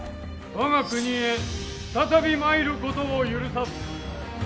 我が国へ再び参ることを許さず。